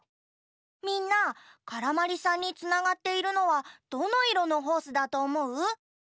みんなからまりさんにつながっているのはどのいろのホースだとおもう？